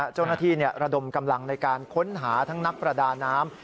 เจ้าหน้าที่ระดมกำลังในค้นหาทางนักประดาน้ำ